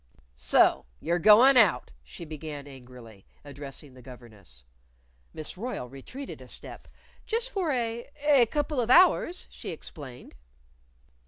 "So you're goin' out?" she began angrily, addressing the governess. Miss Royle retreated a step. "Just for a a couple of hours," she explained.